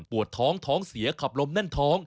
ปวดท้องท้องเสียขับลมแน่นท้อง